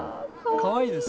かわいいです。